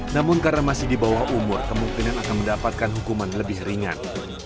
namun karena masih di bawah umur kemungkinan akan mendapatkan hukuman lebih ringan